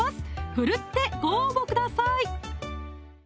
奮ってご応募ください